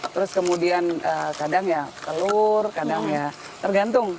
terus kemudian kadang ya telur kadang ya tergantung